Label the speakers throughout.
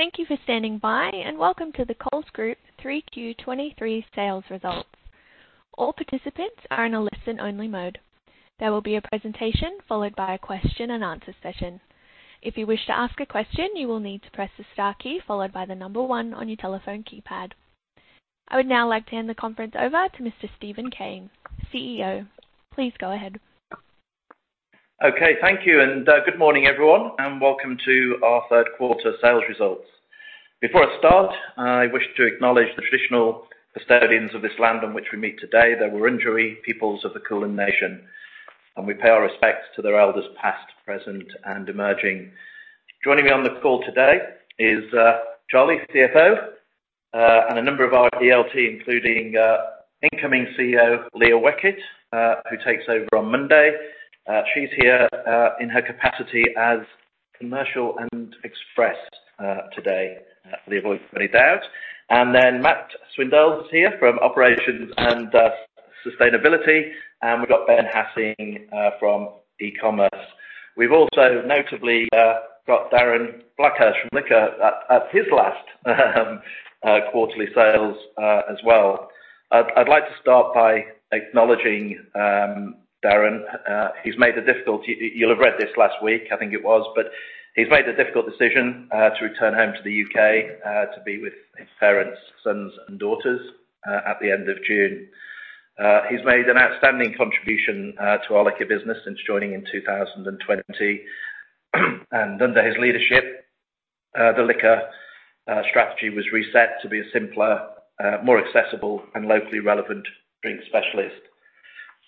Speaker 1: Thank you for standing by, and welcome to the Coles Group three Q23 sales results. All participants are in a listen-only mode. There will be a presentation followed by a question and answer session. If you wish to ask a question, you will need to press the star key followed by one on your telephone keypad. I would now like to hand the conference over to Mr. Steven Cain, CEO. Please go ahead.
Speaker 2: Okay. Thank you. Good morning, everyone, and welcome to our third quarter sales results. Before I start, I wish to acknowledge the traditional custodians of this land on which we meet today, the Wurundjeri peoples of the Kulin nation, and we pay our respects to their elders past, present, and emerging. Joining me on the call today is Charlie, CFO, and a number of our DL team, including incoming CEO, Leah Weckert, who takes over on Monday. She's here, in her capacity as commercial and express, today, for the avoidance of any doubt. Matt Swindells is here from operations and sustainability, and we've got Ben Hassing, from e-commerce. We've also notably, got Charlie, CFO, and a number of our DL team, including incoming CEO, Leah Weckert, who takes over on Monday, as well. I'd like to start by acknowledging Darren. He's made the difficult decision to return home to the UK to be with his parents, sons and daughters at the end of June. He's made an outstanding contribution to our liquor business since joining in 2020. Under his leadership, the liquor strategy was reset to be a simpler, more accessible and locally relevant drink specialist.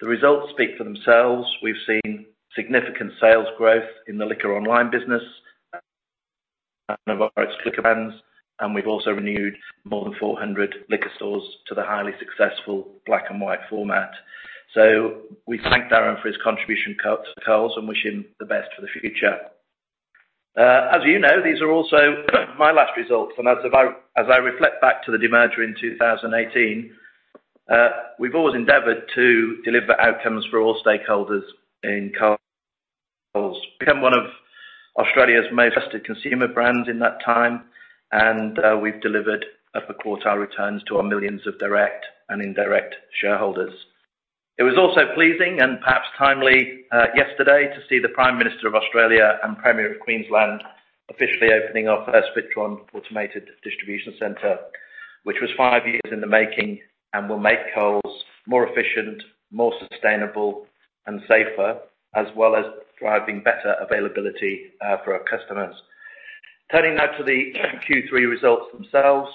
Speaker 2: The results speak for themselves. We've seen significant sales growth in the liquor online business, and we've also renewed more than 400 liquor stores to the highly successful Black & White format. We thank Darren for his contribution Coles and wish him the best for the future. As you know, these are also my last results, and as I reflect back to the demerger in 2018, we've always endeavored to deliver outcomes for all stakeholders in Coles. Become one of Australia's most trusted consumer brands in that time, and we've delivered upper quartile returns to our millions of direct and indirect shareholders. It was also pleasing and perhaps timely yesterday to see the Prime Minister of Australia and Premier of Queensland officially opening our first WITRON automated distribution center, which was five years in the making and will make Coles more efficient, more sustainable and safer, as well as driving better availability for our customers. Turning now to the Q3 results themselves.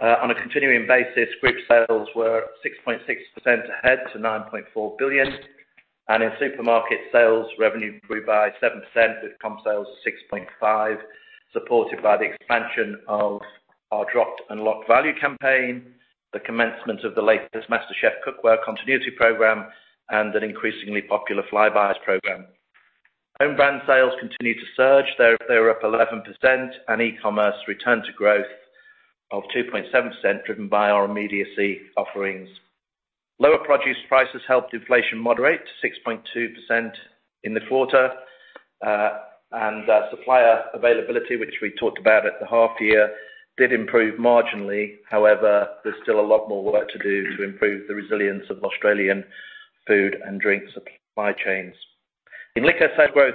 Speaker 2: On a continuing basis, group sales were 6.6% ahead to 9.4 billion. In supermarket sales, revenue grew by 7% with comp sales 6.5%, supported by the expansion of our DROPPED & LOCKED value campaign, the commencement of the latest MasterChef Cookware continuity program, and an increasingly popular Flybuys program. Home brand sales continued to surge. They're up 11%, and e-commerce returned to growth of 2.7%, driven by our immediacy offerings. Lower produce prices helped inflation moderate to 6.2% in the quarter, and supplier availability, which we talked about at the half year, did improve marginally. However, there's still a lot more work to do to improve the resilience of Australian food and drink supply chains. In liquor sales growth,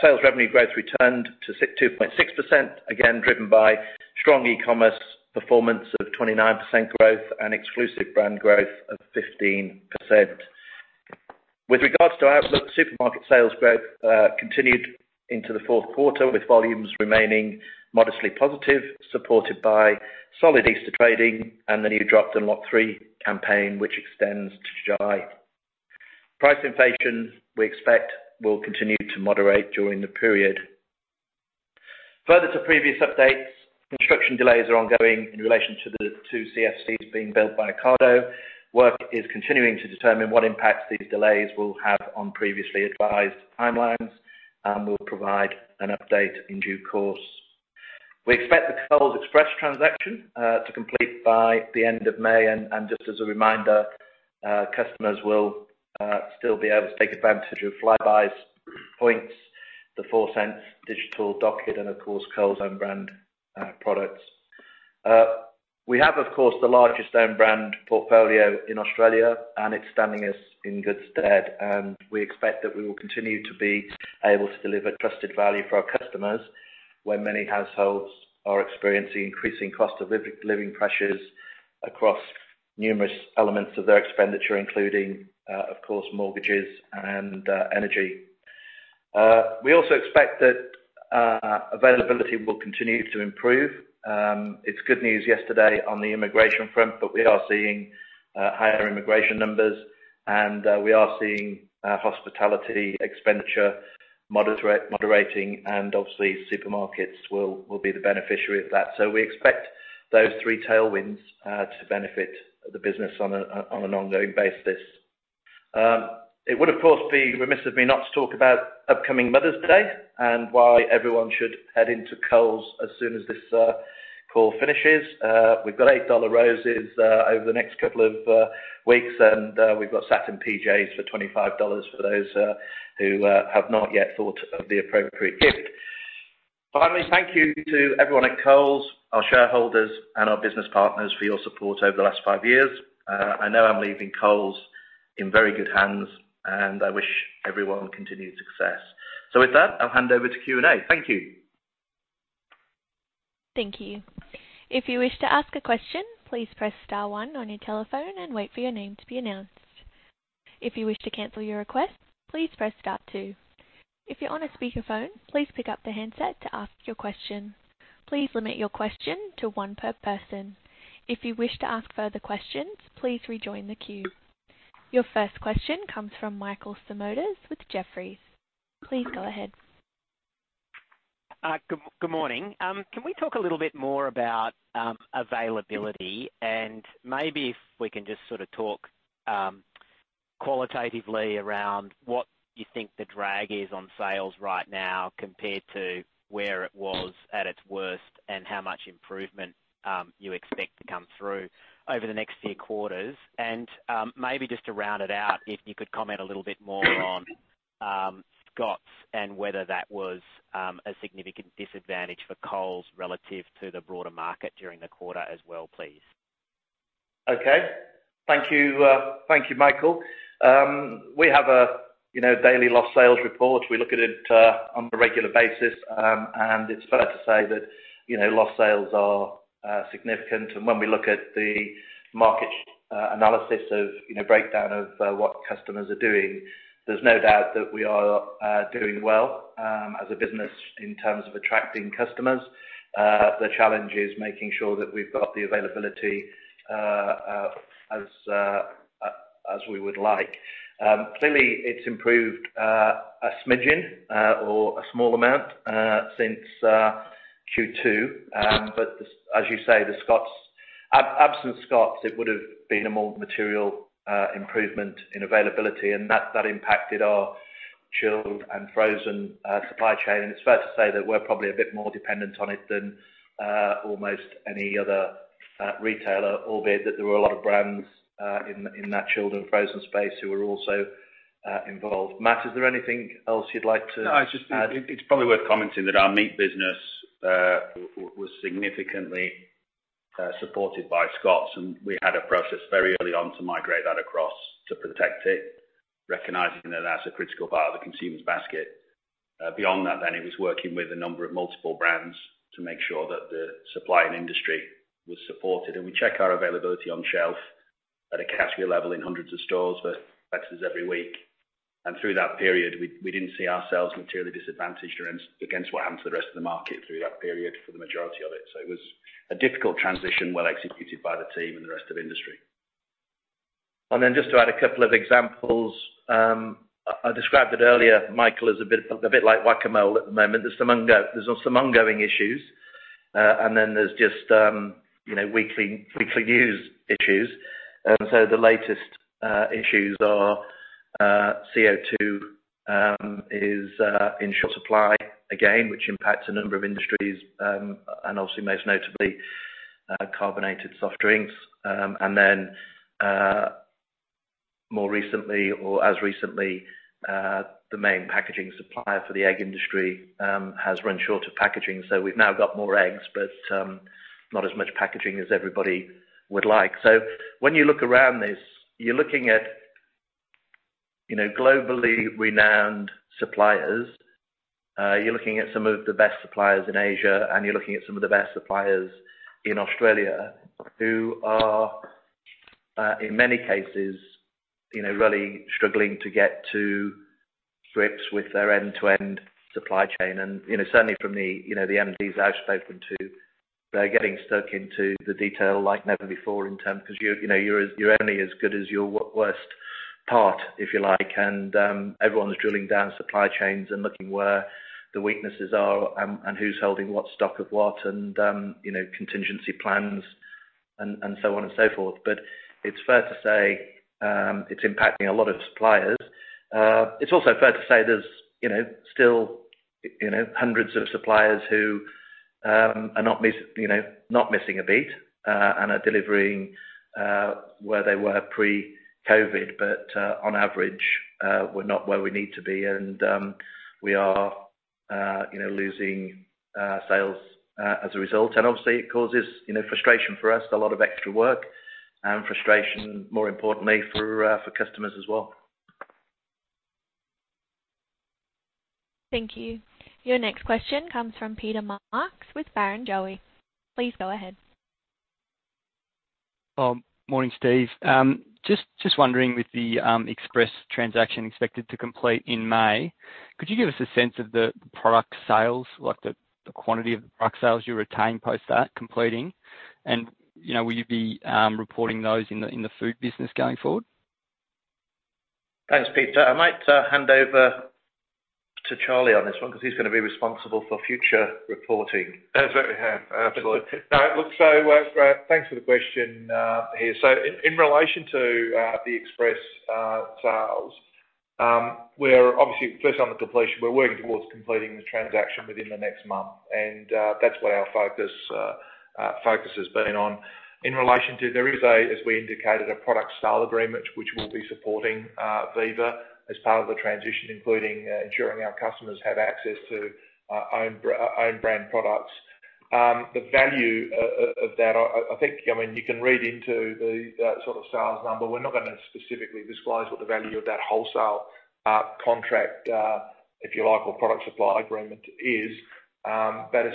Speaker 2: sales revenue growth returned to 2.6%, again driven by strong e-commerce performance of 29% growth and exclusive brand growth of 15%. With regards to outlook, supermarket sales growth continued into the fourth quarter, with volumes remaining modestly positive, supported by solid Easter trading and the new DROPPED & LOCKED three campaign, which extends to July. Price inflation, we expect, will continue to moderate during the period. Further to previous updates, construction delays are ongoing in relation to the two CFCs being built by Ocado. Work is continuing to determine what impact these delays will have on previously advised timelines, and we'll provide an update in due course. We expect the Coles Express transaction to complete by the end of May. Just as a reminder, customers will still be able to take advantage of Flybuys points, the four cents digital docket, and of course, Coles own brand products. We have, of course, the largest own brand portfolio in Australia, and it's standing us in good stead. We expect that we will continue to be able to deliver trusted value for our customers, where many households are experiencing increasing cost of living pressures across numerous elements of their expenditure, including, of course, mortgages and energy. We also expect that availability will continue to improve. It's good news yesterday on the immigration front. We are seeing higher immigration numbers. We are seeing hospitality expenditure moderating. Obviously supermarkets will be the beneficiary of that. We expect those three tailwinds to benefit the business on an ongoing basis. It would of course be remiss of me not to talk about upcoming Mother's Day and why everyone should head into Coles as soon as this Call finishes. We've got $8 roses over the next couple of weeks, and we've got satin PJs for 25 dollars for those who have not yet thought of the appropriate gift. Finally, thank you to everyone at Coles, our shareholders, and our business partners for your support over the last five years. I know I'm leaving Coles in very good hands, and I wish everyone continued success. With that, I'll hand over to Q&A. Thank you.
Speaker 1: Thank you. If you wish to ask a question, please press star one on your telephone and wait for your name to be announced. If you wish to cancel your request, please press star two. If you're on a speakerphone, please pick up the handset to ask your question. Please limit your question to one per person. If you wish to ask further questions, please rejoin the queue. Your first question comes from Michael Simotas with Jefferies. Please go ahead.
Speaker 3: Good morning. Can we talk a little bit more about availability? Maybe if we can just sort of talk qualitatively around what you think the drag is on sales right now compared to where it was at its worst and how much improvement you expect to come through over the next three quarters. Maybe just to round it out, if you could comment a little bit more on Scotts and whether that was a significant disadvantage for Coles relative to the broader market during the quarter as well, please.
Speaker 2: Okay. Thank you. Thank you, Michael. We have a, you know, daily lost sales report. We look at it on a regular basis, and it's fair to say that, you know, lost sales are significant. When we look at the market analysis of, you know, breakdown of what customers are doing, there's no doubt that we are doing well as a business in terms of attracting customers. The challenge is making sure that we've got the availability as we would like. Clearly it's improved a smidgen or a small amount since Q2. As, as you say, the Scotts absent Scotts, it would have been a more material improvement in availability, and that impacted our chilled and frozen supply chain. It's fair to say that we're probably a bit more dependent on it than almost any other retailer, albeit that there were a lot of brands in that chilled and frozen space who were also involved. Matt, is there anything else you'd like to add?
Speaker 4: No, it's probably worth commenting that our meat business was significantly supported by Scotts, and we had a process very early on to migrate that across to protect it, recognizing that that's a critical part of the consumer's basket. Beyond that then, it was working with a number of multiple brands to make sure that the supply and industry was supported. We check our availability on shelf at a category level in hundreds of stores with uncertain every week. Through that period, we didn't see ourselves materially disadvantaged against what happened to the rest of the market through that period for the majority of it. It was a difficult transition, well executed by the team and the rest of the industry.
Speaker 2: Just to add a couple of examples, I described it earlier, Michael, as a bit like whack-a-mole at the moment. There's some ongoing issues, and there's just, you know, weekly news issues. The latest issues are CO2 is in short supply again, which impacts a number of industries, and obviously most notably carbonated soft drinks. More recently or as recently, the main packaging supplier for the egg industry has run short of packaging. We've now got more eggs, but not as much packaging as everybody would like. When you look around this, you're looking at, you know, globally renowned suppliers. You're looking at some of the best suppliers in Asia, and you're looking at some of the best suppliers in Australia who are, in many cases, you know, really struggling to get to grips with their end-to-end supply chain. You know, certainly from the, you know, the MDs I've spoken to, they're getting stuck into the detail like never before in terms. 'Cause you're, you know, you're only as good as your worst part, if you like. Everyone is drilling down supply chains and looking where the weaknesses are and who's holding what stock of what and, you know, contingency plans and so on and so forth. It's fair to say, it's impacting a lot of suppliers. It's also fair to say there's, you know, still, you know, hundreds of suppliers who are not missing a beat and are delivering where they were pre-COVID. On average, we're not where we need to be, and we are, you know, losing sales as a result. Obviously, it causes, you know, frustration for us, a lot of extra work and frustration, more importantly, for customers as well.
Speaker 1: Thank you. Your next question comes from Peter Marks with Barrenjoey. Please go ahead.
Speaker 5: Morning, Steve. Just wondering with the Express transaction expected to complete in May, could you give us a sense of the product sales, like the quantity of the product sales you retain post that completing? You know, will you be reporting those in the food business going forward?
Speaker 2: Thanks, Peter. I might hand over to Charlie on this one 'cause he's gonna be responsible for future reporting.
Speaker 6: Absolutely. No, look, so, thanks for the question, here. In relation to, the Express sales We're obviously first on the completion. We're working towards completing the transaction within the next month, and that's where our focus has been on. In relation to there is a, as we indicated, a product sale agreement which we'll be supporting Viva as part of the transition, including ensuring our customers have access to own brand products. The value of that, I think, I mean, you can read into the sort of sales number. We're not gonna specifically disclose what the value of that wholesale contract, if you like, or product supply agreement is.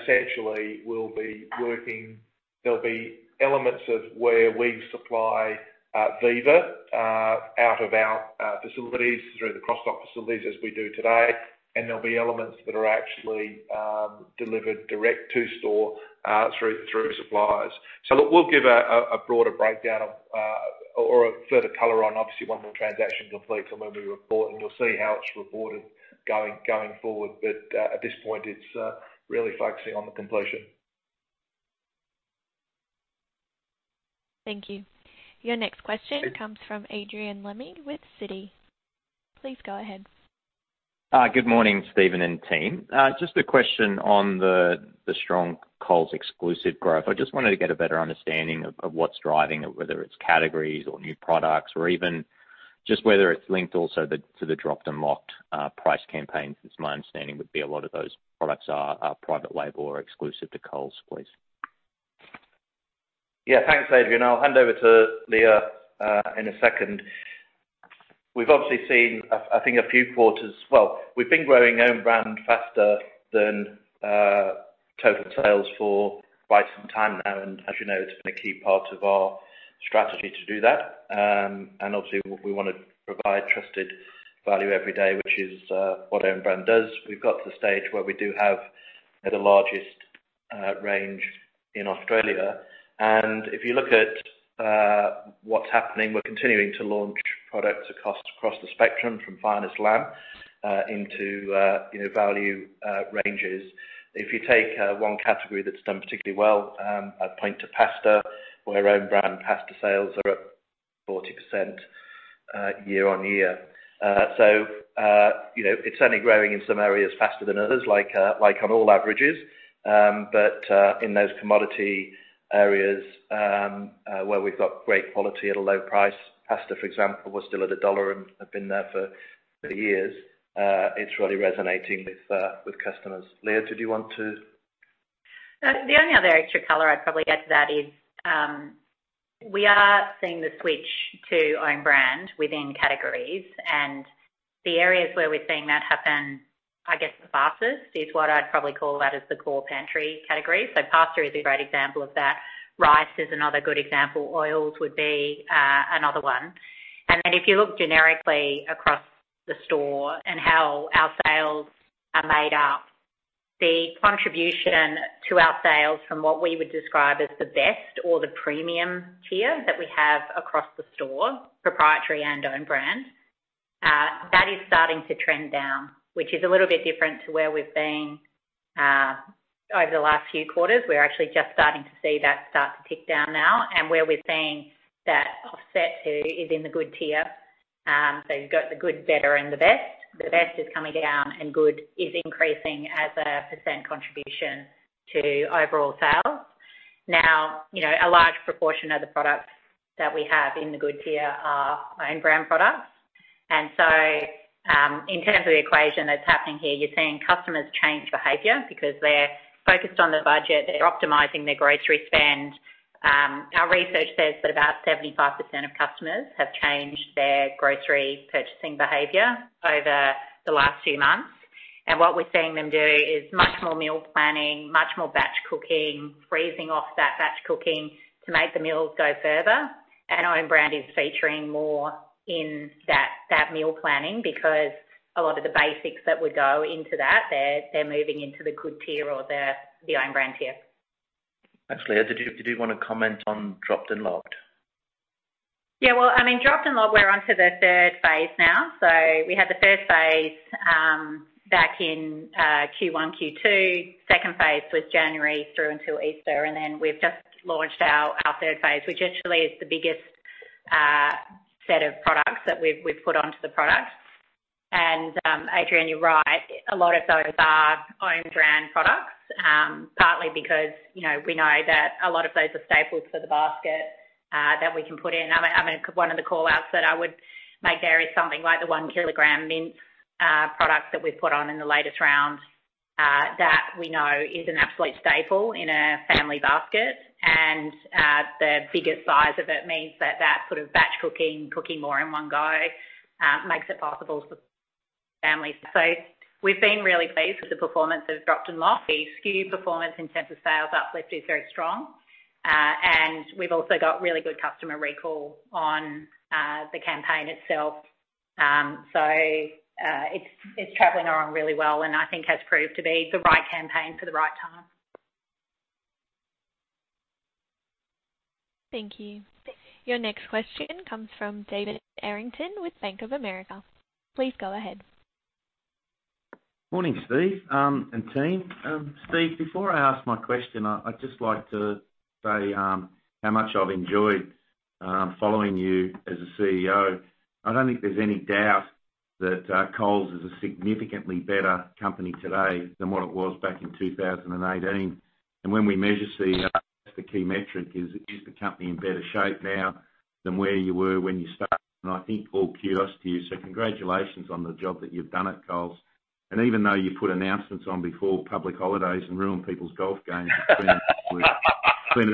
Speaker 6: Essentially we'll be working. There'll be elements of where we supply Viva out of our facilities through the cross-dock facilities as we do today. There'll be elements that are actually delivered direct to store through suppliers. We'll give a broader breakdown of or a further color on obviously once the transaction completes and when we report, and you'll see how it's reported going forward. At this point, it's really focusing on the completion.
Speaker 1: Thank you. Your next question comes from Adrian Lemme with Citi. Please go ahead.
Speaker 7: Good morning, Steven and team. Just a question on the strong Coles exclusive growth. I just wanted to get a better understanding of what's driving it, whether it's categories or new products or even just whether it's linked also to the DROPPED & LOCKED price campaign, since my understanding would be a lot of those products are private label or exclusive to Coles, please.
Speaker 6: Yeah, thanks, Adrian. I'll hand over to Leah in a second. We've obviously seen a thing a few quarters. Well, we've been growing own brand faster than total sales for quite some time now, as you know, it's been a key part of our strategy to do that. Obviously we wanna provide trusted value every day, which is what own brand does. We've got to the stage where we do have the largest range in Australia. If you look at what's happening, we're continuing to launch products across the spectrum from Coles Finest into, you know, value ranges. If you take one category that's done particularly well, I'd point to pasta, where own brand pasta sales are up 40% year-over-year. you know, it's only growing in some areas faster than others, like on all averages. In those commodity areas, where we've got great quality at a low price, pasta, for example, we're still at $1 and have been there for years, it's really resonating with customers. Leah, did you want to?
Speaker 8: The only other extra color I'd probably add to that is, we are seeing the switch to own brand within categories. The areas where we're seeing that happen, I guess, the fastest is what I'd probably call that is the core pantry category. Pasta is a great example of that. Rice is another good example. Oils would be another one. If you look generically across the store and how our sales are made up, the contribution to our sales from what we would describe as the best or the premium tier that we have across the store, proprietary and own brand, that is starting to trend down, which is a little bit different to where we've been over the last few quarters. We're actually just starting to see that start to tick down now and where we're seeing that offset to is in the good tier. You've got the good, better and the best. The best is coming down and good is increasing as a % contribution to overall sales. You know, a large proportion of the products that we have in the good tier are own brand products. In terms of the equation that's happening here, you're seeing customers change behavior because they're focused on their budget. They're optimizing their grocery spend. Our research says that about 75% of customers have changed their grocery purchasing behavior over the last few months. What we're seeing them do is much more meal planning, much more batch cooking, freezing off that batch cooking to make the meals go further. Own brand is featuring more in that meal planning because a lot of the basics that would go into that, they're moving into the good tier or the own brand tier.
Speaker 6: Actually, Leah, did you wanna comment on DROPPED & LOCKED?
Speaker 8: I mean, DROPPED & LOCKED, we're onto the third phase now. We had the first phase back in Q1, Q2. Second phase was January through until Easter. We've just launched our third phase, which actually is the biggest set of products that we've put onto the product. Adrian, you're right. A lot of those are own-brand products, partly because, you know, we know that a lot of those are staples for the basket that we can put in. I mean, one of the call-outs that I would make there is something like the one-kilogram mince product that we've put on in the latest round that we know is an absolute staple in a family basket. The bigger size of it means that that sort of batch cooking more in one go, makes it possible for families. We've been really pleased with the performance of DROPPED & LOCKED. The SKU performance in terms of sales uplift is very strong. We've also got really good customer recall on the campaign itself. It's traveling along really well, and I think has proved to be the right campaign for the right time.
Speaker 1: Thank you. Your next question comes from David Errington with Bank of America. Please go ahead.
Speaker 9: Morning, Steve, and team. Steve, before I ask my question, I'd just like to say how much I've enjoyed following you as a CEO. I don't think there's any doubt that Coles is a significantly better company today than what it was back in 2018. When we measure, Steve, the key metric is the company in better shape now than where you were when you started? I think all kudos to you. Congratulations on the job that you've done at Coles. Even though you put announcements on before public holidays and ruin people's golf games, it's been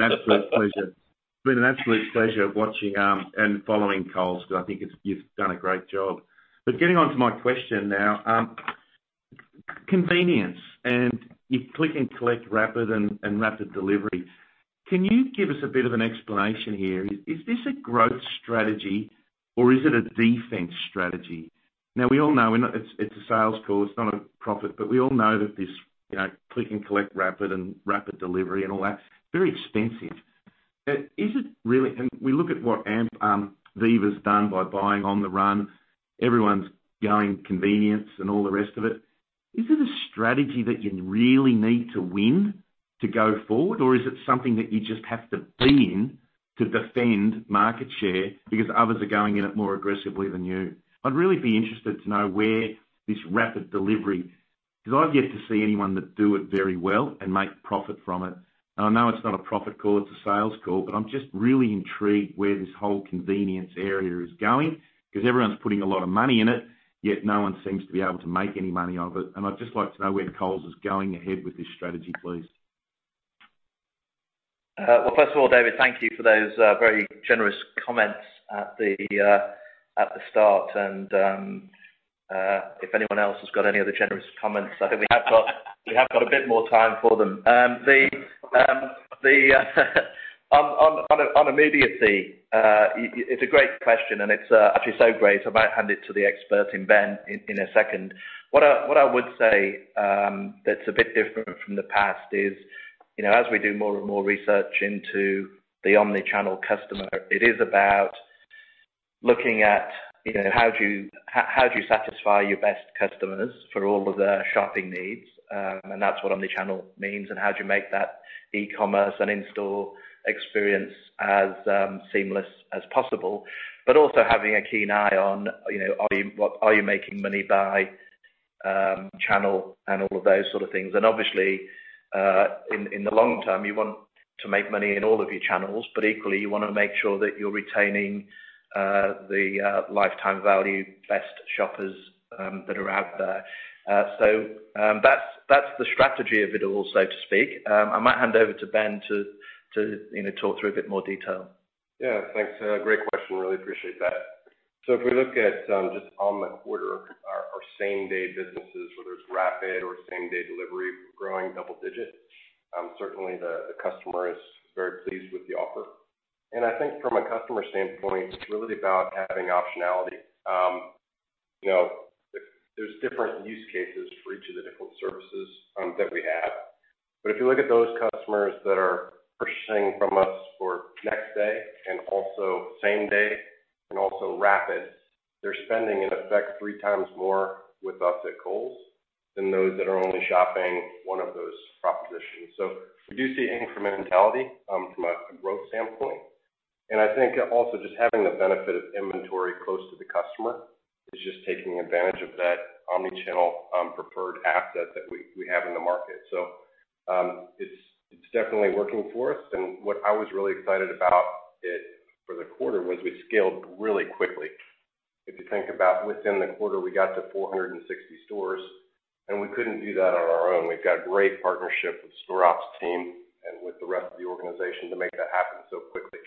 Speaker 9: an absolute pleasure watching and following Coles, 'cause I think it's you've done a great job. Getting on to my question now, convenience and your Rapid Click & Collect and Rapid Delivery, can you give us a bit of an explanation here? Is this a growth strategy or is it a defense strategy? We all know it's a sales call, it's not a profit, but we all know that this, you know, Rapid Click & Collect and Rapid Delivery and all that, very expensive. We look at what Ampol Viva's done by buying On the Run, everyone's going convenience and all the rest of it. Is it a strategy that you really need to win to go forward? Or is it something that you just have to be in to defend market share because others are going in it more aggressively than you? I'd really be interested to know where this Rapid Delivery, 'cause I've yet to see anyone that do it very well and make profit from it. I know it's not a profit call, it's a sales call, but I'm just really intrigued where this whole convenience area is going, 'cause everyone's putting a lot of money in it, yet no one seems to be able to make any money off it. I'd just like to know where Coles is going ahead with this strategy, please.
Speaker 2: Well, first of all, David, thank you for those very generous comments at the start. If anyone else has got any other generous comments I think we have got a bit more time for them. The on immediacy, it's a great question, and it's actually so great, I might hand it to the expert in Ben in a second. What I would say, that's a bit different from the past is, you know, as we do more and more research into the omni-channel customer, it is about looking at, you know, how do you satisfy your best customers for all of their shopping needs? And that's what omni-channel means, and how do you make that e-commerce and in-store experience as seamless as possible. Also having a keen eye on, you know, what are you making money by channel and all of those sort of things. Obviously, in the long term, you want to make money in all of your channels, but equally, you wanna make sure that you're retaining the lifetime value best shoppers that are out there. That's, that's the strategy of it all, so to speak. I might hand over to Ben to, you know, talk through a bit more detail.
Speaker 10: Yeah, thanks. Great question. Really appreciate that. If we look at just on the quarter, our same-day businesses, whether it's Rapid or same-day delivery, growing double-digit, certainly the customer is very pleased with the offer. I think from a customer standpoint, it's really about having optionality. You know, there's different use cases for each of the different services that we have. If you look at those customers that are purchasing from us for next day and also same day and also Rapid, they're spending, in effect, three times more with us at Coles than those that are only shopping one of those propositions. We do see incrementality from a growth standpoint. I think also just having the benefit of inventory close to the customer is just taking advantage of that omni-channel, preferred asset that we have in the market. It's definitely working for us. What I was really excited about it for the quarter was we scaled really quickly. If you think about within the quarter, we got to 460 stores, and we couldn't do that on our own. We've got great partnership with store ops team and with the rest of the organization to make that happen so quickly.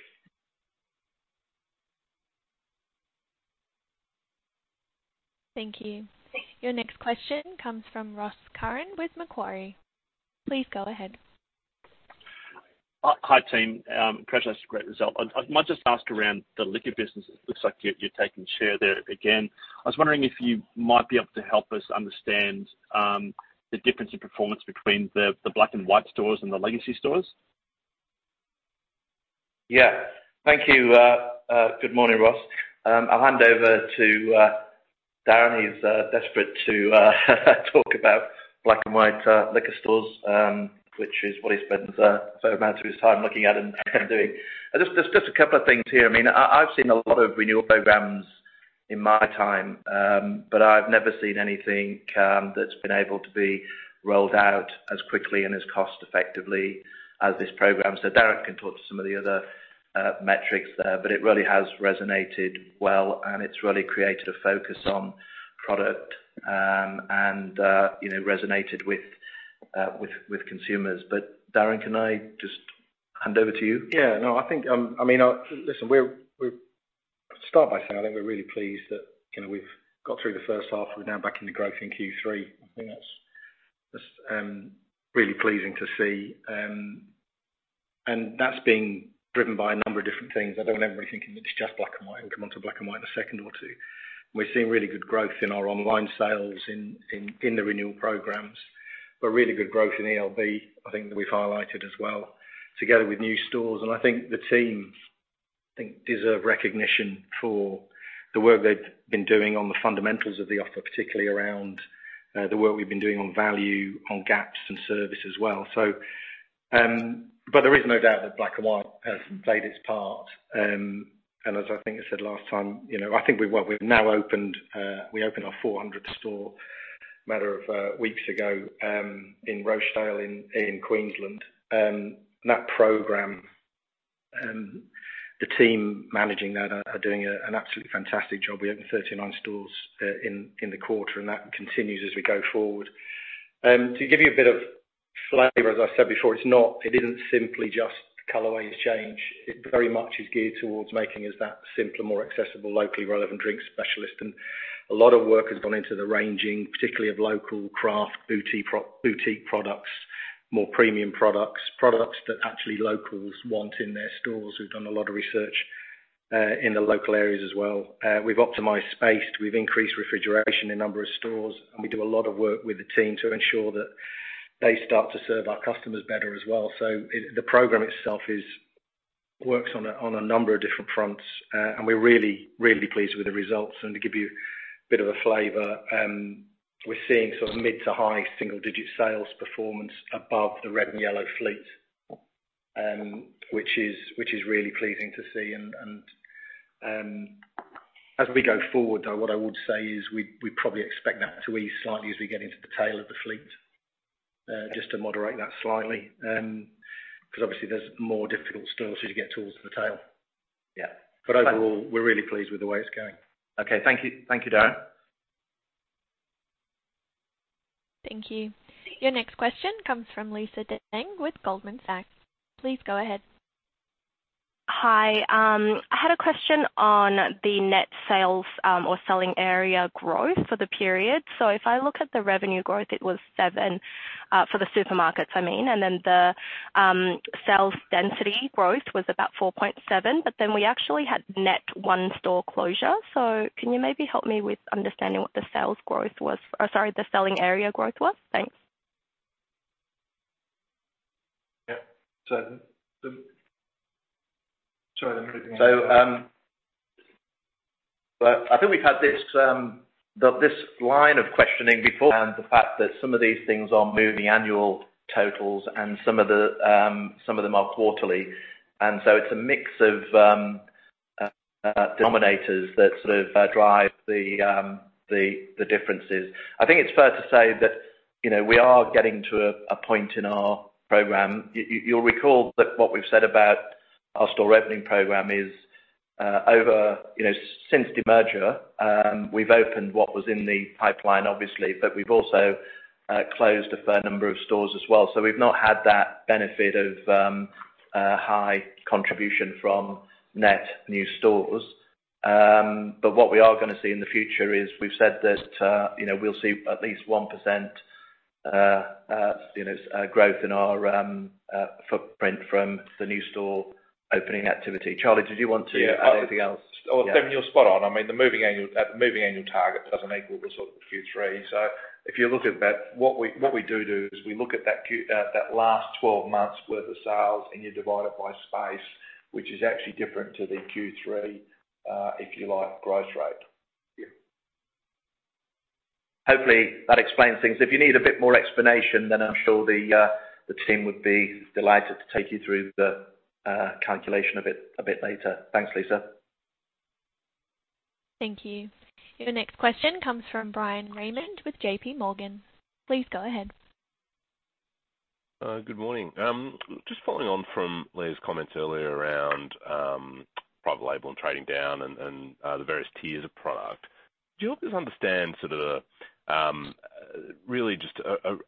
Speaker 1: Thank you. Your next question comes from Ross Curran with Macquarie. Please go ahead.
Speaker 11: Hi, team. Congratulations, great result. I might just ask around the liquor business. It looks like you're taking share there again. I was wondering if you might be able to help us understand, the difference in performance between the Black & White stores and the legacy stores.
Speaker 2: Yeah. Thank you. Good morning, Ross. I'll hand over to Darren. He's desperate to talk about Black & White liquor stores, which is what he spends a fair amount of his time looking at and doing. There's just a couple of things here. I mean, I've seen a lot of renewal programs in my time, but I've never seen anything that's been able to be rolled out as quickly and as cost-effectively as this program. Darren can talk to some of the other metrics there, but it really has resonated well, and it's really created a focus on product, and, you know, resonated with consumers. Darren, can I just hand over to you?
Speaker 12: Yeah. No, I think, I mean, listen, we're start by saying I think we're really pleased that, you know, we've got through the first half. We're now back into growth in Q3. I think that's really pleasing to see. That's being driven by a number of different things. I don't want everybody thinking that it's just Black & White, we'll come onto Black & White in a second or two. We're seeing really good growth in our online sales in the renewal programs. We're really good growth in ELB, I think that we've highlighted as well, together with new stores. I think the team
Speaker 2: I think deserve recognition for the work they've been doing on the fundamentals of the offer, particularly around the work we've been doing on value, on gaps and service as well. But there is no doubt that Black & White has played its part. And as I think I said last time, you know, I think we've now opened, we opened our 400th store matter of weeks ago, in Rochedale in Queensland. And that program, the team managing that are doing an absolutely fantastic job. We opened 39 stores in the quarter, and that continues as we go forward. To give you a bit of flavor, as I said before, it isn't simply just colorway has changed. It very much is geared towards making us that simpler, more accessible, locally relevant drink specialist. A lot of work has gone into the ranging, particularly of local craft boutique pro-boutique products, more premium products that actually locals want in their stores. We've done a lot of research in the local areas as well. We've optimized space, we've increased refrigeration in a number of stores, and we do a lot of work with the team to ensure that they start to serve our customers better as well. The program itself works on a number of different fronts. We're really, really pleased with the results. To give you a bit of a flavor, we're seeing sort of mid to high single-digit sales performance above the red and yellow fleet, which is really pleasing to see. As we go forward, though, what I would say is we probably expect that to ease slightly as we get into the tail of the fleet, just to moderate that slightly. 'Cause obviously there's more difficult stores as you get towards the tail. Yeah. Overall, we're really pleased with the way it's going.
Speaker 13: Okay. Thank you. Thank you, Darren.
Speaker 1: Thank you. Your next question comes from Lisa Deng with Goldman Sachs. Please go ahead.
Speaker 14: Hi. I had a question on the net sales or selling area growth for the period. If I look at the revenue growth, it was 7% for the supermarkets, I mean. The sales density growth was about 4.7%, we actually had net one store closure. Can you maybe help me with understanding what the sales growth was? Sorry, the selling area growth was? Thanks.
Speaker 2: Yeah.
Speaker 6: Sorry, let me repeat that.
Speaker 2: Well, I think we've had this line of questioning before, and the fact that some of these things are moving annual totals and some of them are quarterly. It's a mix of denominators that sort of drive the differences. I think it's fair to say that, you know, we are getting to a point in our program. You'll recall that what we've said about our store opening program is over, you know, since demerger, we've opened what was in the pipeline, obviously, but we've also closed a fair number of stores as well. We've not had that benefit of a high contribution from net new stores. What we are going to see in the future is we've said that, you know, we'll see at least 1%, you know, growth in our footprint from the new store opening activity. Charlie, did you want to add anything else?
Speaker 6: Yeah.
Speaker 2: Yeah.
Speaker 6: I mean, you're spot on. I mean, the moving annual target doesn't equal the sort of Q3. If you look at that, what we do is we look at that last 12 months worth of sales, and you divide it by space, which is actually different to the Q3, if you like, growth rate.
Speaker 2: Yeah. Hopefully, that explains things. If you need a bit more explanation, then I'm sure the team would be delighted to take you through the calculation of it a bit later. Thanks, Lisa.
Speaker 1: Thank you. Your next question comes from Bryan Raymond with J.P. Morgan. Please go ahead.
Speaker 15: Good morning. Just following on from Leah's comments earlier around private label and trading down and the various tiers of product. Do you help us understand sort of, really just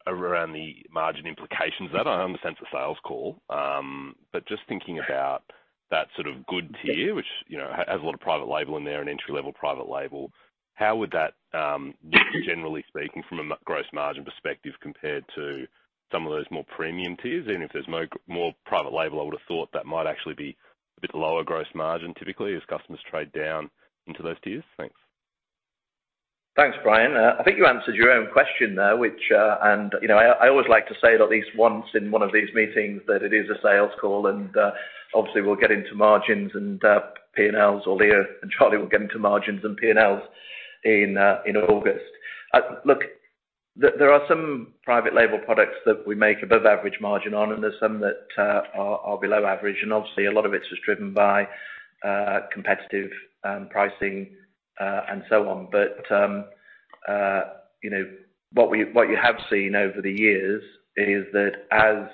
Speaker 15: around the margin implications of that? I understand it's a sales call, just thinking about that sort of good tier, which, you know, has a lot of private label in there and entry-level private label. How would that look generally speaking from a gross margin perspective compared to some of those more premium tiers? Even if there's more private label, I would have thought that might actually be a bit lower gross margin typically as customers trade down into those tiers. Thanks.
Speaker 2: Thanks, Bryan. I think you answered your own question there, which, and, you know, I always like to say it at least once in one of these meetings that it is a sales call, and obviously we'll get into margins and P&Ls, or Leah and Charlie will get into margins and P&Ls in August. Look, there are some private label products that we make above average margin on, and there's some that are below average. Obviously a lot of it is driven by competitive pricing and so on. You know, what you have seen over the years is that as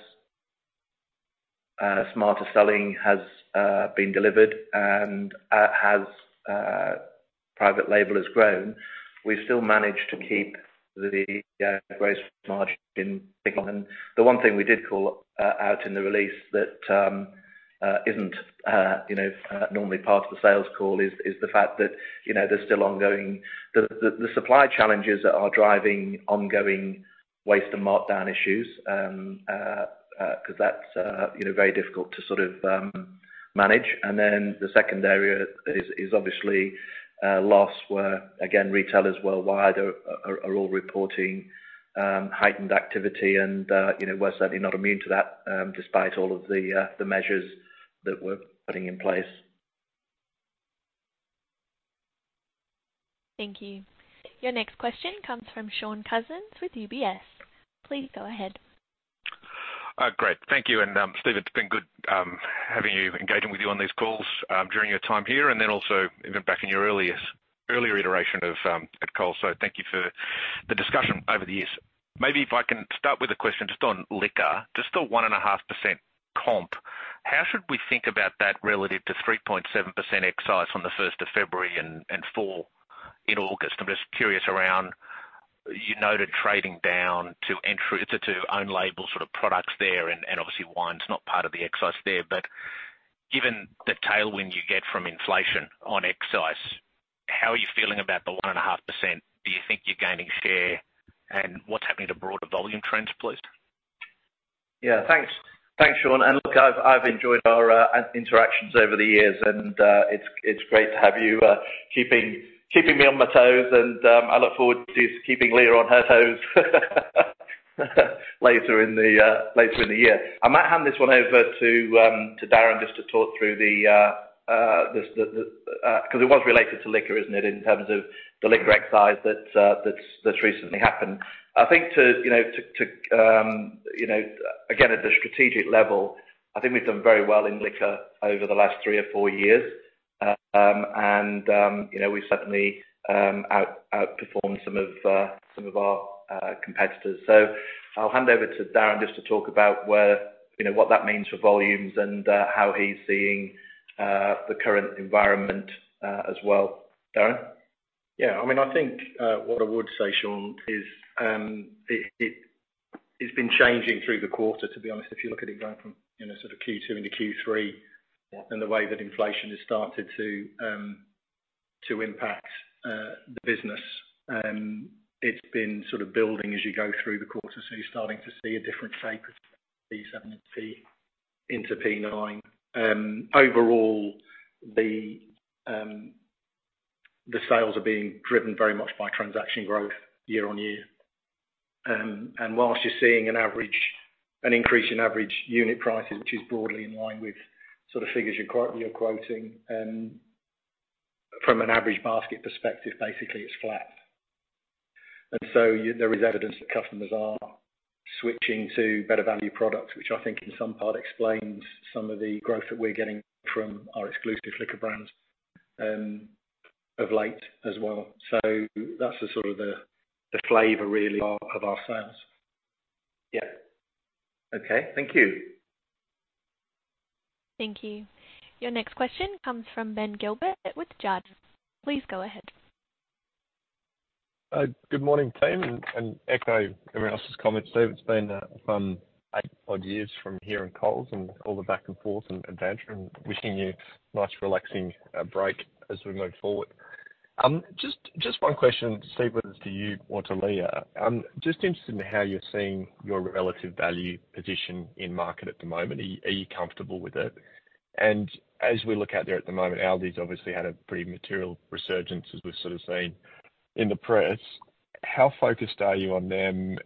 Speaker 2: Smarter Selling has been delivered and has private label has grown, we've still managed to keep the gross margin in check. The one thing we did call out in the release that isn't, you know, normally part of the sales call is the fact that, you know, there's still ongoing. The supply challenges are driving ongoing waste and markdown issues, 'cause that's, you know, very difficult to sort of manage. The second area is obviously loss, where again, retailers worldwide are all reporting heightened activity and, you know, we're certainly not immune to that, despite all of the measures that we're putting in place.
Speaker 1: Thank you. Your next question comes from Shaun Cousins with UBS. Please go ahead.
Speaker 16: Great. Thank you. Steve, it's been good having you, engaging with you on these calls during your time here and then also even back in your earlier iteration of at Coles. Thank you for the discussion over the years. Maybe if I can start with a question just on liquor. Just on 1.5% comp, how should we think about that relative to 3.7% excise on the 1st of February and 4% in August? I'm just curious around, you noted trading down to own label sort of products there and obviously wine is not part of the excise there. Given the tailwind you get from inflation on excise, how are you feeling about the 1.5%? Do you think you're gaining share? What's happening to broader volume trends, please?
Speaker 2: Yeah, thanks. Thanks, Shaun. Look, I've enjoyed our in-interactions over the years, and it's great to have you keeping me on my toes. I look forward to keeping Leah on her toes later in the year. I might hand this one over to Darren just to talk through 'cause it was related to liquor, isn't it, in terms of the liquor excise that's recently happened. I think to, you know, again, at the strategic level, I think we've done very well in liquor over the last three or four years. You know, we've certainly outperformed some of our competitors. I'll hand over to Darren just to talk about where, you know, what that means for volumes and how he's seeing the current environment as well. Darren?
Speaker 12: Yeah. I mean, I think, what I would say, Sean, is, it's been changing through the quarter, to be honest. If you look at it going from, you know, sort of Q2 into Q3, and the way that inflation has started to impact the business, it's been sort of building as you go through the quarter. You're starting to see a different shape of P7 into P9. Overall, the sales are being driven very much by transaction growth year-over-year. Whilst you're seeing an increase in average unit prices, which is broadly in line with sort of figures you're quoting, from an average basket perspective, basically it's flat. There is evidence that customers are switching to better value products, which I think in some part explains some of the growth that we're getting from our Exclusive Liquor Brands of late as well. That's the sort of the flavor really of our sales.
Speaker 2: Yeah. Okay. Thank you.
Speaker 1: Thank you. Your next question comes from Ben Gilbert with Jarden. Please go ahead.
Speaker 17: Good morning, team, echoing everyone else's comments, Steven Cain, it's been fun eight odd years from here in Coles and all the back and forth and adventure and wishing you a nice, relaxing break as we move forward. Just one question, Steven Cain, whether it's to you or to Leah Weckert. I'm just interested in how you're seeing your relative value position in market at the moment. Are you comfortable with it? As we look out there at the moment, ALDI's obviously had a pretty material resurgence, as we've sort of seen in the press. How focused are you on them?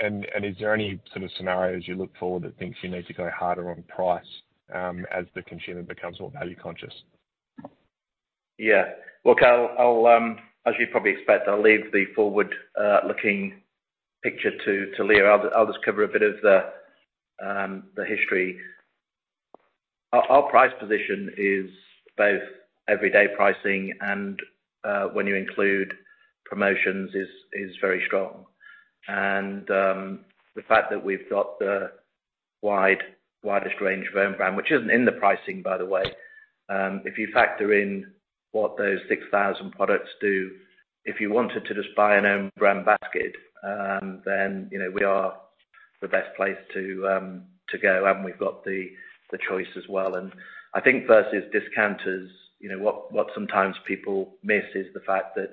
Speaker 17: Is there any sort of scenarios you look for that thinks you need to go harder on price as the consumer becomes more value conscious?
Speaker 2: Yeah. Look, I'll, as you'd probably expect, I'll leave the forward looking picture to Leah. I'll just cover a bit of the history. Our price position is both everyday pricing and when you include promotions is very strong. And the fact that we've got the widest range of own brand, which isn't in the pricing, by the way, if you factor in what those 6,000 products do, if you wanted to just buy an own brand basket, then, you know, we are the best place to go, and we've got the choice as well. And I think versus discounters, you know, what sometimes people miss is the fact that,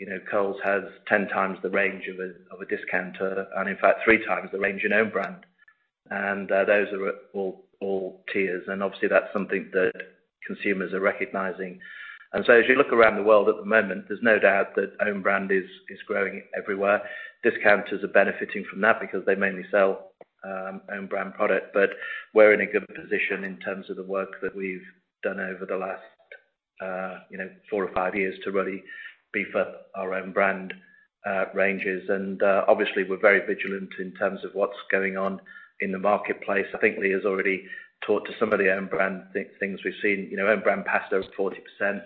Speaker 2: you know, Coles has 10 times the range of a discounter, and in fact, 3 times the range in own brand. Those are at all tiers. Obviously, that's something that consumers are recognizing. As you look around the world at the moment, there's no doubt that own brand is growing everywhere. Discounters are benefiting from that because they mainly sell own-brand product. We're in a good position in terms of the work that we've done over the last, you know, four or five years to really beef up our own-brand ranges. Obviously, we're very vigilant in terms of what's going on in the marketplace. I think Leah's already talked to some of the own-brand things we've seen. You know, own-brand pasta was 40%.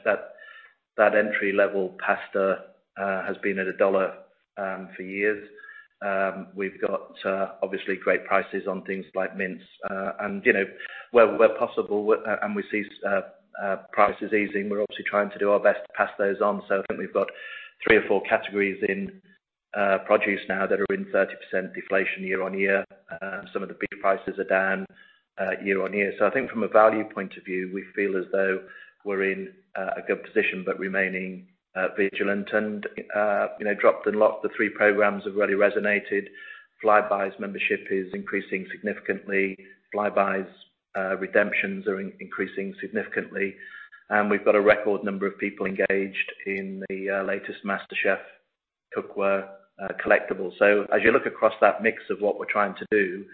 Speaker 2: That entry-level pasta has been $1 for years. We've got obviously great prices on things like mince, and, you know, where possible, we see prices easing, we're obviously trying to do our best to pass those on. I think we've got three or four categories in produce now that are in 30% deflation year-over-year. Some of the beef prices are down year-over-year. I think from a value point of view, we feel as though we're in a good position, but remaining vigilant. You know, DROPPED & LOCKED, the three programs have really resonated. Flybuys membership is increasing significantly. Flybuys redemptions are increasing significantly. We've got a record number of people engaged in the latest MasterChef Cookware collectibles. As you look across that mix of what we're trying to do,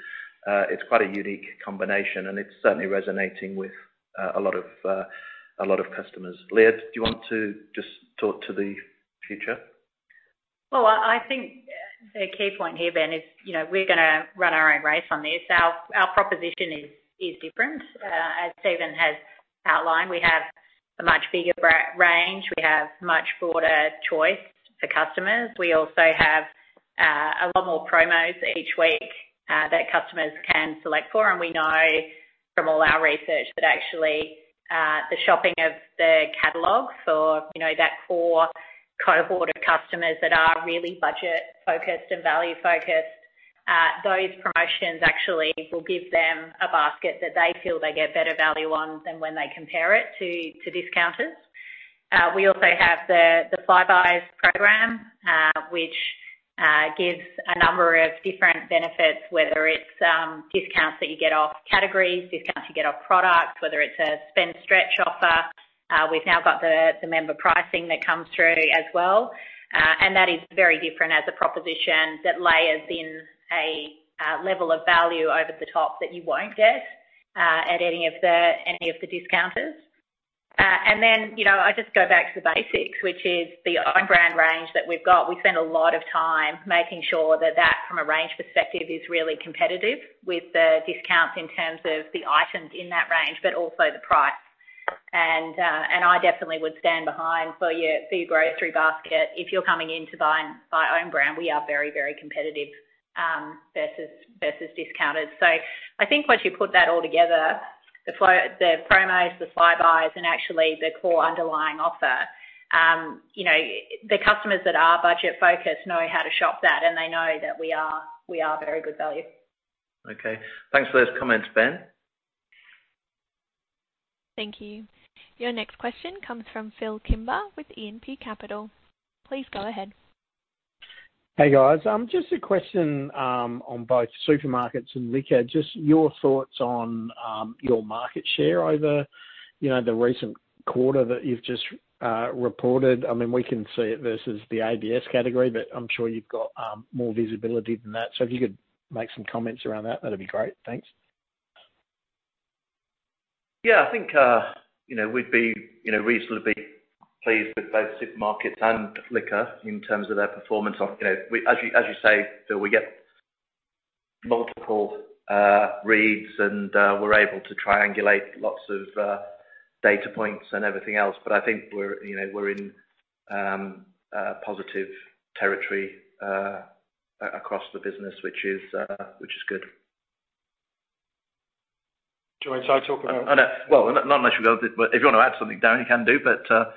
Speaker 2: it's quite a unique combination, and it's certainly resonating with a lot of a lot of customers. Leah, do you want to just talk to the future?
Speaker 8: Well, I think the key point here, Ben, is, you know, we're gonna run our own race on this. Our proposition is different, as Steven has outlined. We have a much bigger range. We have much broader choice for customers. We also have a lot more promos each week that customers can select for. We know from all our research that actually the shopping of the catalog for, you know, that core cohort of customers that are really budget-focused and value-focused, those promotions actually will give them a basket that they feel they get better value on than when they compare it to discounters. We also have the Flybuys program, which gives a number of different benefits, whether it's discounts that you get off categories, discounts you get off products, whether it's a spend stretch offer. We've now got the member pricing that comes through as well. That is very different as a proposition that layers in a level of value over the top that you won't get at any of the, any of the discounters. Then, you know, I just go back to the basics, which is the own brand range that we've got. We spend a lot of time making sure that from a range perspective is really competitive with the discounts in terms of the items in that range, but also the price. I definitely would stand behind for your grocery basket, if you're coming in to buy own brand, we are very competitive, versus discounters. I think once you put that all together, the promos, the Flybuys, and actually the core underlying offer, you know, the customers that are budget-focused know how to shop that, and they know that we are very good value.
Speaker 2: Okay. Thanks for those comments. Ben?
Speaker 1: Thank you. Your next question comes from Phil Kimber with E&P Capital. Please go ahead.
Speaker 18: Hey, guys. Just a question on both supermarkets and liquor. Just your thoughts on your market share over, you know, the recent quarter that you've just reported. I mean, we can see it versus the ABS category, but I'm sure you've got more visibility than that. If you could make some comments around that'd be great. Thanks.
Speaker 2: Yeah, I think, you know, we'd be, you know, we'd sort of be pleased with both supermarkets and liquor in terms of their performance on, you know. As you say, Phil, we get multiple reads, and we're able to triangulate lots of data points and everything else. I think we're, you know, we're in positive territory across the business, which is good.
Speaker 12: Do you want me to try to talk about?
Speaker 2: Well, not unless you got a bit, but if you want to add something, Darren, you can do, but.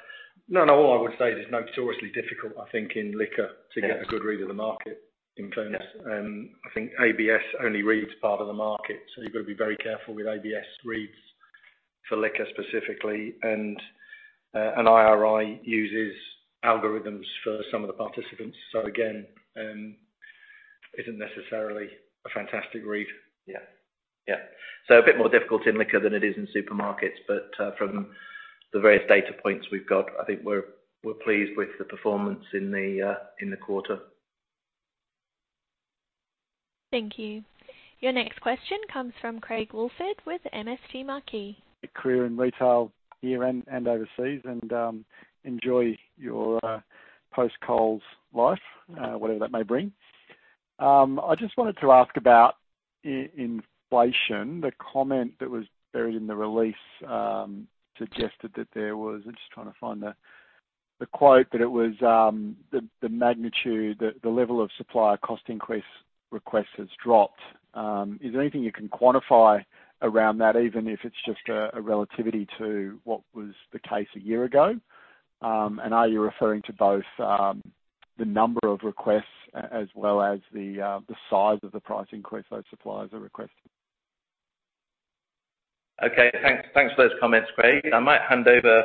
Speaker 12: No, no. All I would say is it's notoriously difficult, I think, in liquor-.
Speaker 2: Yes
Speaker 12: to get a good read of the market in terms.
Speaker 2: Yeah.
Speaker 12: I think ABS only reads part of the market, so you've got to be very careful with ABS reads for liquor specifically. IRI uses algorithms for some of the participants. Again, isn't necessarily a fantastic read.
Speaker 2: Yeah. Yeah. A bit more difficult in liquor than it is in supermarkets, but, from the various data points we've got, I think we're pleased with the performance in the in the quarter.
Speaker 1: Thank you. Your next question comes from Craig Woolford with MST Marquee.
Speaker 19: Career in retail here and overseas, and enjoy your post-Coles life.
Speaker 2: Mm-hmm.
Speaker 19: whatever that may bring. I just wanted to ask about inflation. The comment that was buried in the release suggested that there was... I'm just trying to find the quote, that it was the magnitude, the level of supplier cost increase request has dropped. Is there anything you can quantify around that, even if it's just a relativity to what was the case a year ago? Are you referring to both the number of requests as well as the size of the price increase those suppliers are requesting?
Speaker 2: Okay. Thanks. Thanks for those comments, Craig. I might hand over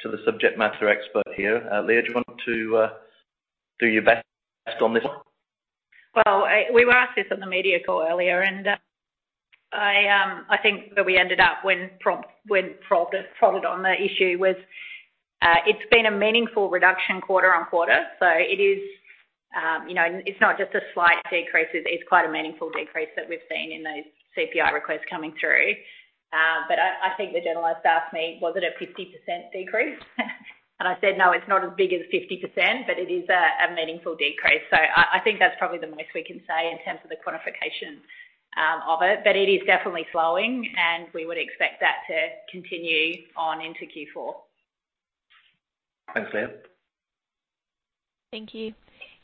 Speaker 2: to the subject matter expert here. Leah, do you want to, do your best on this one?
Speaker 8: Well, we were asked this on the media call earlier. I think where we ended up when prodded on the issue was, it's been a meaningful reduction quarter-on-quarter. It is, you know, it's not just a slight decrease. It's quite a meaningful decrease that we've seen in those CPI requests coming through. I think the journalist asked me, "Was it a 50% decrease?" I said, "No, it's not as big as 50%, but it is a meaningful decrease." I think that's probably the most we can say in terms of the quantification of it. It is definitely slowing, we would expect that to continue on into Q4.
Speaker 2: Thanks, Leah.
Speaker 1: Thank you.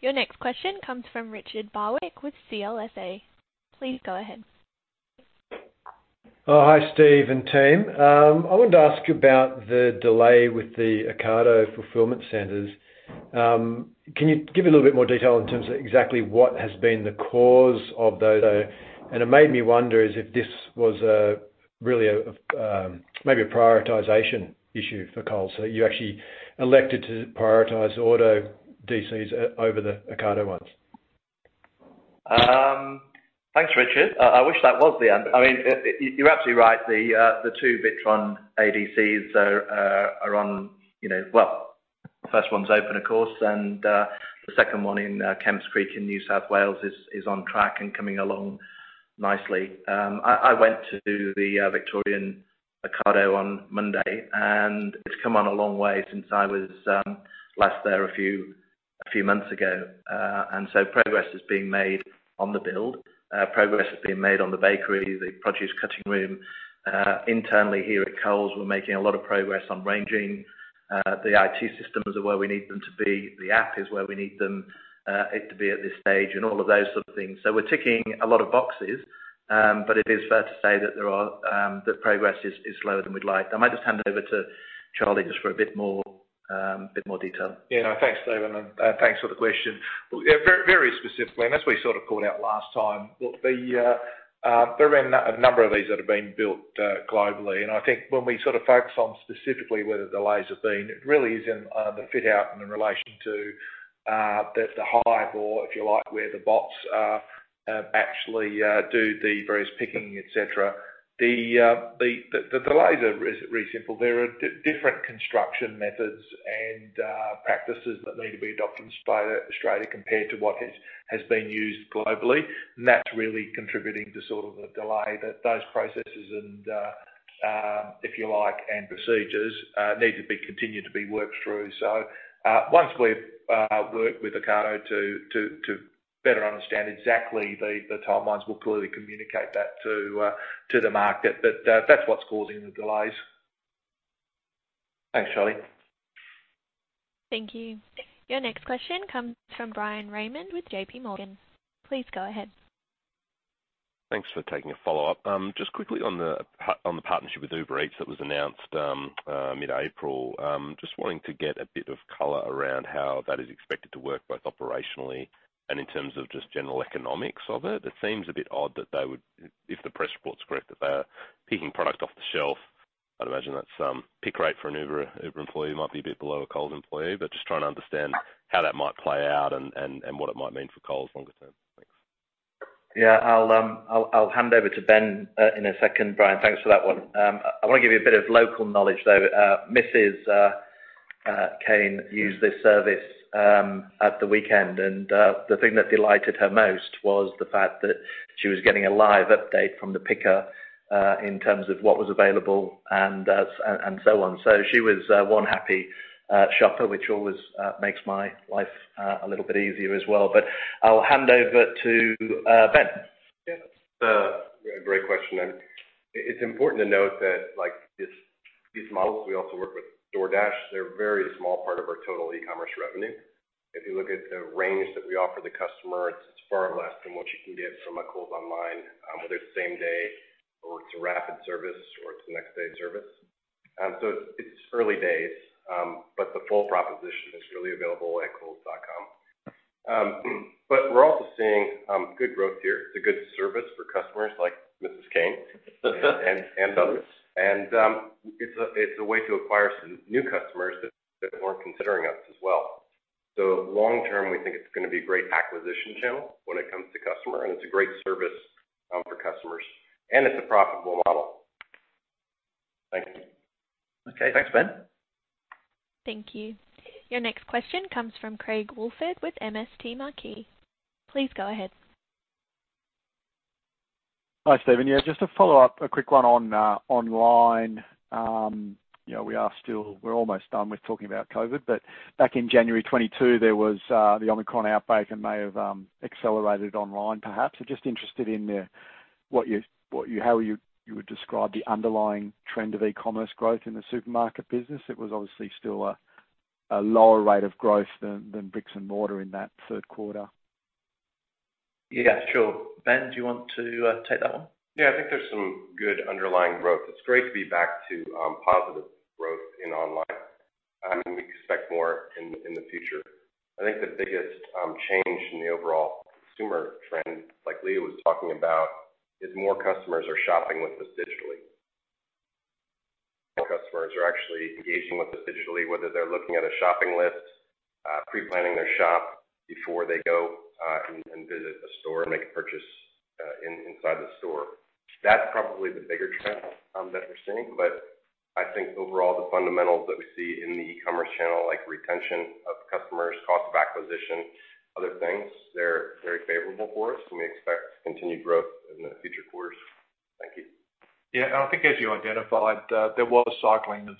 Speaker 1: Your next question comes from Richard Barwick with CLSA. Please go ahead.
Speaker 20: Hi, Steve and team. I wanted to ask about the delay with the Ocado fulfillment centers. Can you give a little bit more detail in terms of exactly what has been the cause of those? It made me wonder is if this was a really, a, maybe a prioritization issue for Coles. You actually elected to prioritize Auto DCs over the Ocado ones.
Speaker 2: Thanks, Richard. I wish that was the end. I mean, you're absolutely right. The two WITRON ADCs are on, you know... Well, the first one's open, of course, and the second one in Kemps Creek in New South Wales is on track and coming along nicely. I went to the Victorian Ocado on Monday, and it's come on a long way since I was last there a few months ago. Progress is being made on the build. Progress is being made on the bakery, the produce cutting room. Internally here at Coles, we're making a lot of progress on ranging. The IT systems are where we need them to be, the app is where we need them, it to be at this stage and all of those sort of things. We're ticking a lot of boxes, but it is fair to say that there are, that progress is slower than we'd like. I might just hand it over to Charlie just for a bit more, a bit more detail.
Speaker 6: Yeah. No. Thanks, Steven, and thanks for the question. Well, yeah, very specifically, and as we sort of called out last time, look, there have been a number of these that have been built globally. I think when we sort of focus on specifically where the delays have been, it really is in the fit out and in relation to The Hive or if you like, where the bots actually do the various picking, etc. The delays are really simple. There are different construction methods and practices that need to be adopted in Australia compared to what has been used globally. That's really contributing to sort of the delay that those processes and, if you like, and procedures, need to be continued to be worked through. Once we've worked with Ocado to better understand exactly the timelines, we'll clearly communicate that to the market. That's what's causing the delays. Thanks, Charlie.
Speaker 1: Thank you. Your next question comes from Bryan Raymond with JPMorgan Please go ahead.
Speaker 15: Thanks for taking a follow-up. Just quickly on the partnership with Uber Eats that was announced mid-April. Just wanting to get a bit of color around how that is expected to work, both operationally and in terms of just general economics of it. It seems a bit odd that they would, if the press report's correct, that they are picking product off the shelf. I'd imagine that's pick rate for an Uber employee might be a bit below a Coles employee, but just trying to understand how that might play out and what it might mean for Coles longer term. Thanks.
Speaker 2: Yeah. I'll hand over to Ben in a second. Bryan, thanks for that one. I wanna give you a bit of local knowledge, though. Mrs. Kane used this service at the weekend, and the thing that delighted her most was the fact that she was getting a live update from the picker in terms of what was available and so on. She was one happy shopper, which always makes my life a little bit easier as well. I'll hand over to Ben.
Speaker 10: It's a great question, and it's important to note that like this, these models, we also work with DoorDash, they're a very small part of our total e-commerce revenue. If you look at the range that we offer the customer, it's far less than what you can get from a Coles online, whether it's same day or it's a rapid service or it's a next day service. It's early days, but the full proposition is really available at coles.com.au. We're also seeing good growth here. It's a good service for customers like Mrs. Kane and others. It's a way to acquire some new customers that weren't considering us as well. Long term, we think it's gonna be a great acquisition channel when it comes to customer, and it's a great service, for customers, and it's a profitable model. Thank you.
Speaker 2: Okay. Thanks, Ben.
Speaker 1: Thank you. Your next question comes from Craig Woolford with MST Marquee. Please go ahead.
Speaker 19: Hi, Steven. Yeah, just to follow up, a quick one on online. You know, we are still... We're almost done with talking about COVID, but back in January 2022, there was the Omicron outbreak and may have accelerated online perhaps. Just interested in what you, how you would describe the underlying trend of e-commerce growth in the supermarket business. It was obviously still a lower rate of growth than bricks and mortar in that third quarter.
Speaker 2: Yeah, sure. Ben, do you want to take that one?
Speaker 10: I think there's some good underlying growth. It's great to be back to positive growth in online. We expect more in the future. I think the biggest change in the overall consumer trend, like Leah was talking about, is more customers are shopping with us digitally. More customers are actually engaging with us digitally, whether they're looking at a shopping list, pre-planning their shop before they go and visit a store and make a purchase inside the store. That's probably the bigger trend that we're seeing. I think overall, the fundamentals that we see in the e-commerce channel, like retention of customers, cost of acquisition, other things, they're very favorable for us, and we expect continued growth in the future quarters. Thank you.
Speaker 6: Yeah. I think as you identified, there was cycling of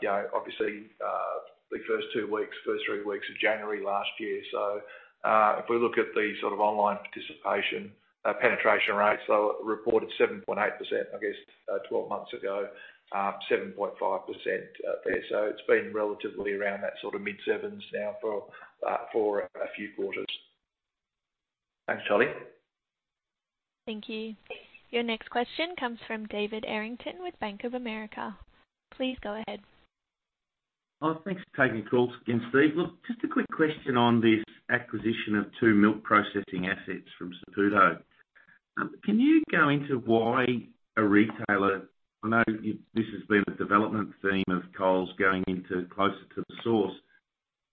Speaker 6: the first two weeks, first three weeks of January last year. If we look at the sort of online participation penetration rates, reported 7.8%, I guess, 12 months ago, 7.5% there. It's been relatively around that sort of mid-sevens now for a few quarters. Thanks, Charlie.
Speaker 1: Thank you. Your next question comes from David Errington with Bank of America. Please go ahead.
Speaker 9: Oh, thanks for taking the call again, Steve. Look, just a quick question on this acquisition of two milk processing assets from Saputo. Can you go into why a retailer, I know this has been a development theme of Coles going into closer to the source,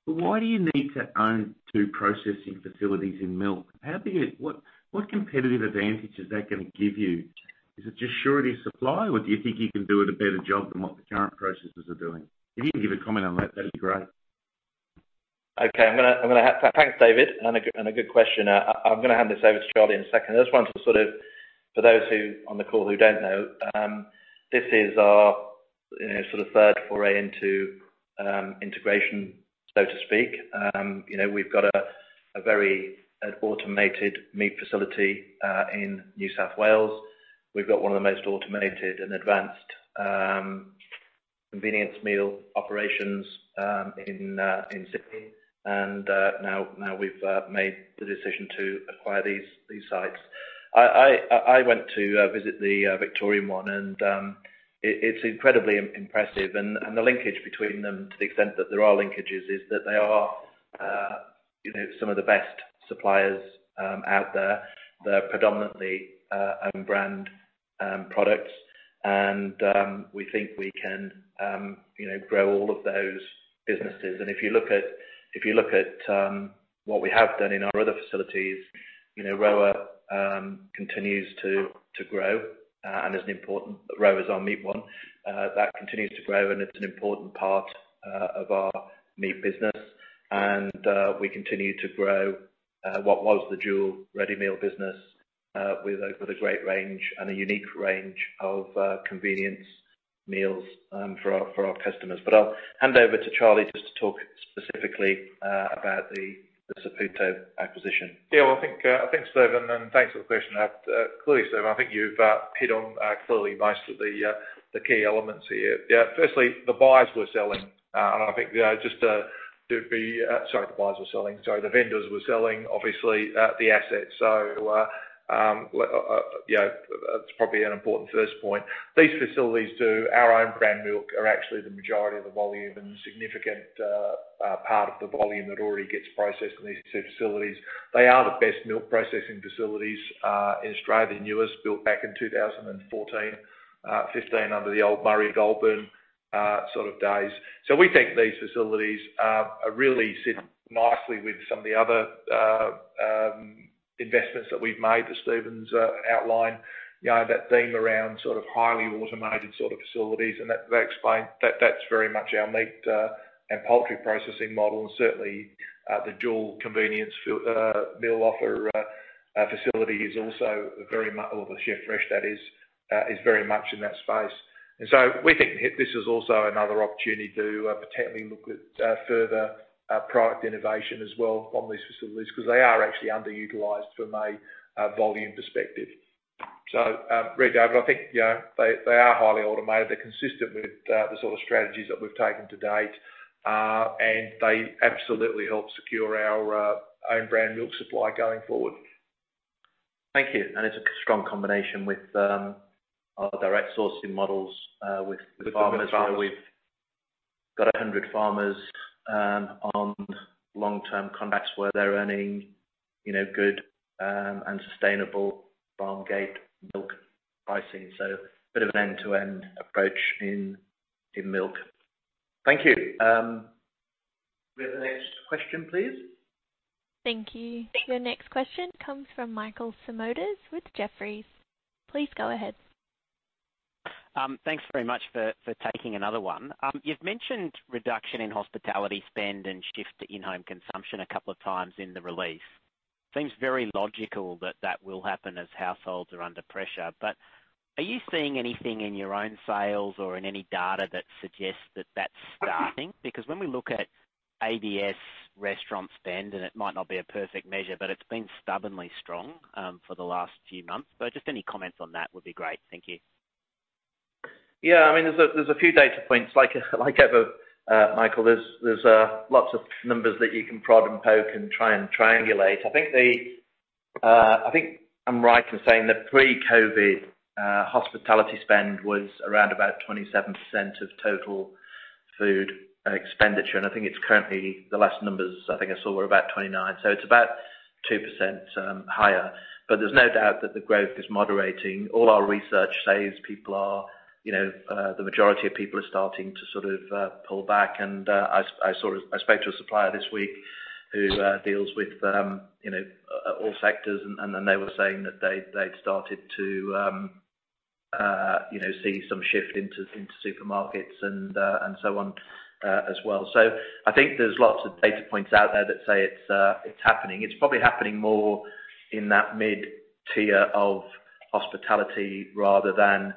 Speaker 9: but why do you need to own two processing facilities in milk? What competitive advantage is that gonna give you? Is it just surety of supply, or do you think you can do it a better job than what the current processors are doing? If you can give a comment on that'd be great.
Speaker 2: Okay. Thanks, David, and a good question. I'm gonna hand this over to Charlie in a second. I just want to sort of, for those who, on the call who don't know, this is our, you know, sort of third foray into integration, so to speak. You know, we've got a very automated meat facility in New South Wales. We've got one of the most automated and advanced convenience meal operations in Sydney, and now we've made the decision to acquire these sites. I went to visit the Victorian one, and it's incredibly impressive, and the linkage between them, to the extent that there are linkages, is that they are, you know, some of the best suppliers out there. They're predominantly own-brand products, and we think we can, you know, grow all of those businesses. If you look at what we have done in our other facilities, you know, ROA continues to grow and is important. ROA is our meat one. That continues to grow, and it's an important part of our meat business. We continue to grow what was the deli ready meal business with a great range and a unique range of convenience meals for our customers. I'll hand over to Charlie just to talk specifically about the Saputo acquisition.
Speaker 6: Yeah, well, I think, Steven, and thanks for the question. Clearly, Steven, I think you've hit on clearly most of the key elements here. Yeah, firstly, the vendors were selling obviously the assets. Well, you know, it's probably an important first point. These facilities do our own brand milk, are actually the majority of the volume and significant part of the volume that already gets processed in these two facilities. They are the best milk processing facilities in Australia and U.S., built back in 2014, 15 under the old Murray Goulburn sort of days. we think these facilities are really sit nicely with some of the other investments that we've made as Steven's outlined. You know, that theme around sort of highly automated sort of facilities, and that's very much our meat and poultry processing model and certainly the deli convenience meal offer facility is also very or the Chef Fresh that is very much in that space. we think this is also another opportunity to potentially look at further product innovation as well on these facilities, 'cause they are actually underutilized from a volume perspective. great, David. I think, you know, they are highly automated. They're consistent with the sort of strategies that we've taken to date. They absolutely help secure our own brand milk supply going forward.
Speaker 2: Thank you. It's a strong combination with our direct sourcing models with the farmers.
Speaker 6: With the farmers.
Speaker 2: We've got 100 farmers on long-term contracts where they're earning, you know, good and sustainable farm gate milk pricing. A bit of an end-to-end approach in milk. Thank you. We have the next question, please.
Speaker 1: Thank you. Your next question comes from Michael Simotas with Jefferies. Please go ahead.
Speaker 3: Thanks very much for taking another one. You've mentioned reduction in hospitality spend and shift to in-home consumption a couple of times in the release. Seems very logical that that will happen as households are under pressure. Are you seeing anything in your own sales or in any data that suggests that that's starting? When we look at ABS restaurant spend, and it might not be a perfect measure, but it's been stubbornly strong for the last few months. Just any comments on that would be great. Thank you.
Speaker 2: I mean, there's a few data points. Like ever, Michael, there's lots of numbers that you can prod and poke and try and triangulate. I think I'm right in saying that pre-COVID, hospitality spend was around about 27% of total food expenditure, and I think it's currently, the last numbers I think I saw were about 29. It's about 2% higher. There's no doubt that the growth is moderating. All our research says people are, you know, the majority of people are starting to sort of pull back. I saw a... I spoke to a supplier this week who deals with, you know, all sectors, and then they were saying that they'd started to, you know, see some shift into supermarkets and so on as well. I think there's lots of data points out there that say it's happening. It's probably happening more in that mid-tier of hospitality rather than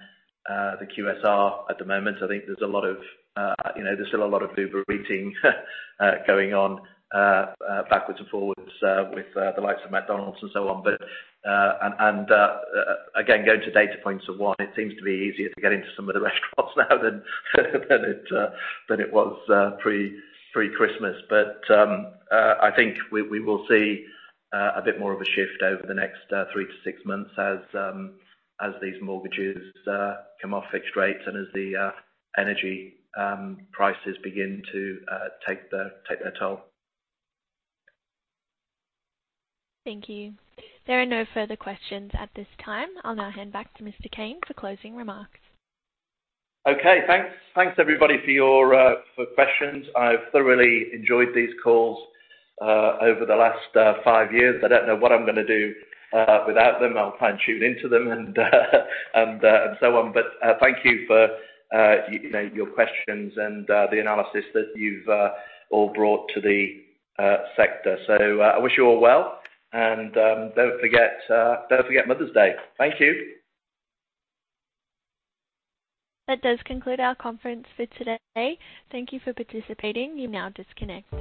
Speaker 2: the QSR at the moment. I think there's a lot of, you know, there's still a lot of Uber eating going on backwards and forwards with the likes of McDonald's and so on. And again, going to data points of 1, it seems to be easier to get into some of the restaurants now than it was pre-Christmas. I think we will see a bit more of a shift over the next three to six months as these mortgages come off fixed rates and as the energy prices begin to take their toll.
Speaker 1: Thank you. There are no further questions at this time. I'll now hand back to Mr. Cain for closing remarks.
Speaker 2: Okay. Thanks. Thanks, everybody, for your for questions. I've thoroughly enjoyed these calls over the last five years. I don't know what I'm gonna do without them. I'll try and tune into them and and so on. Thank you for you know, your questions and the analysis that you've all brought to the sector. I wish you all well. Don't forget Mother's Day. Thank you.
Speaker 1: That does conclude our conference for today. Thank you for participating. You may now disconnect.